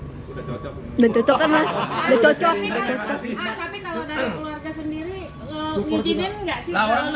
tapi kalau dari keluarga sendiri ngijinin nggak sih